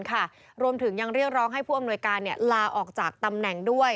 และให้อำนวยการลาออกจากตำแหน่ง